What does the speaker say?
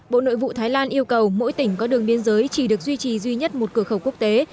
bộ nội vụ thái lan yêu cầu mỗi tỉnh có đường biên giới chỉ được duy trì duy nhất một cửa khẩu quốc tế